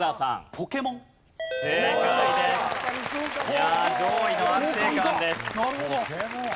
いやあ上位の安定感です。